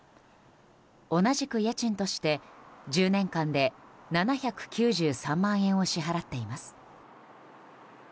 同じく家賃として１０年間で７９３万円を支払っています。